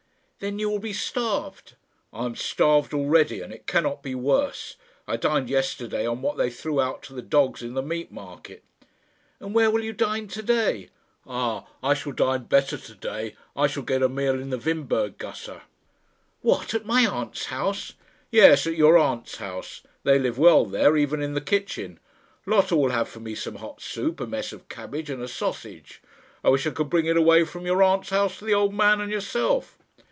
"Then you will be starved." "I am starved already, and it cannot be worse. I dined yesterday on what they threw out to the dogs in the meat market." "And where will you dine to day?" "Ah, I shall dine better to day. I shall get a meal in the Windberg gasse." "What! at my aunt's house?" "Yes; at your aunt's house. They live well there, even in the kitchen. Lotta will have for me some hot soup, a mess of cabbage, and a sausage. I wish I could bring it away from your aunt's house to the old man and yourself."